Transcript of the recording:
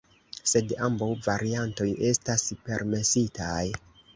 Sed ambaŭ variantoj estas permesitaj.